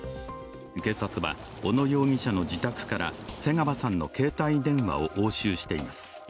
警察は、小野容疑者の自宅から瀬川さんの携帯電話を押収しています。